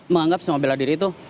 menganggap semua beladiri itu